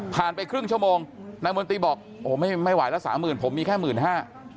ผ่านไปครึ่งชั่วโมงนายมนตรีบอกโอ้ไม่ไหวแล้ว๓๐๐๐๐บาทผมมีแค่๑๕๐๐๐บาท